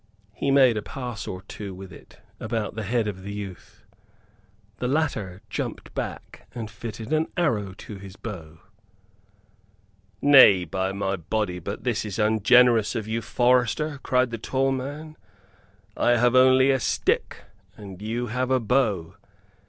He made a pass or two with it about the head of the youth. The latter jumped back and fitted an arrow to his bow. "Nay, by my body, but this is ungenerous of you, forester," cried the tall man. "I have only a stick and you have a bow!